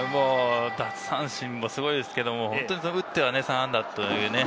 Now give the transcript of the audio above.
奪三振もすごいですが、打っては３安打という。